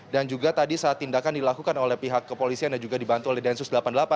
dan juga tadi saat tindakan dilakukan oleh pihak kepolisian dan juga dibantu oleh densus delapan puluh delapan